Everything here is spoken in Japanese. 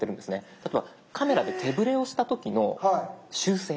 例えばカメラで手ぶれをした時の修正